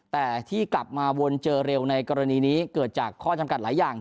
แต่ที่กลับมาวนเจอเร็วในกรณีนี้เกิดจากข้อจำกัดหลายอย่าง